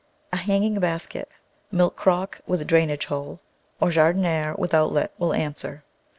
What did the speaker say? A hanging basket, milk crock with drainage hole, or jardiniere with outlet will answer.